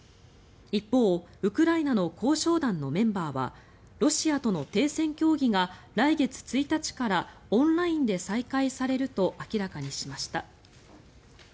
一方、ウクライナの交渉団のメンバーはロシアとの停戦協議が来月１日からオンラインで再開されると明らかにしました。